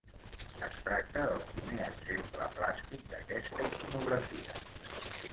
Es tracta del primer exemple plàstic d'aquesta iconografia.